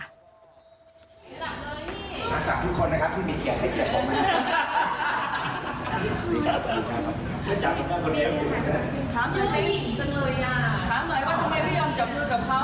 ที่สำคุณคนนะคะคุณมีทางเดียวขอมาย